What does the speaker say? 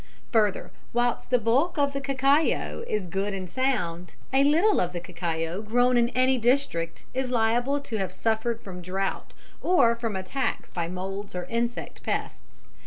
Further, whilst the bulk of the cacao is good and sound, a little of the cacao grown in any district is liable to have suffered from drought or from attacks by moulds or insect pests.